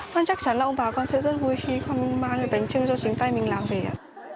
con chắc chắn là ông bà con sẽ rất vui khi con mang bánh trưng cho chính tay mình làm về